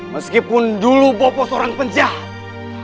meskipun dulu bopo seorang penjahat